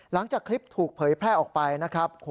หลังจากคลิปถูกเผยแพร่ออกไปนะครับ